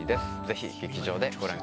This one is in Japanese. ぜひ劇場でご覧